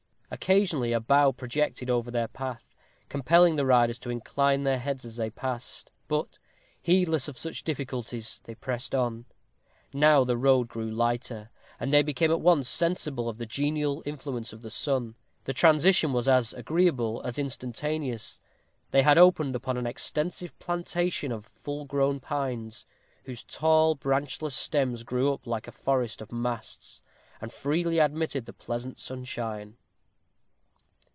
Occasionally a bough projected over their path, compelling the riders to incline their heads as they passed; but, heedless of such difficulties, they pressed on. Now the road grew lighter, and they became at once sensible of the genial influence of the sun. The transition was as agreeable as instantaneous. They had opened upon an extensive plantation of full grown pines, whose tall, branchless stems grew up like a forest of masts, and freely admitted the pleasant sunshine.